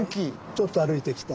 ちょっと歩いてきた。